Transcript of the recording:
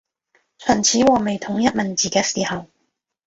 秦始皇未統一文字嘅時候